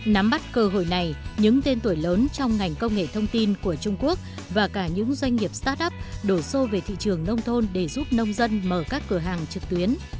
nắm bắt cơ hội này những tên tuổi lớn trong ngành công nghệ thông tin của trung quốc và cả những doanh nghiệp start up đổ xô về thị trường nông thôn để giúp nông dân mở các cửa hàng trực tuyến